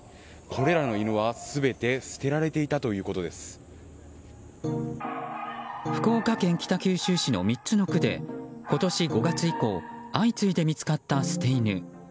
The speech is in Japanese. これらの犬は全て福岡県北九州市の３つの区で今年５月以降相次いで見つかった捨て犬。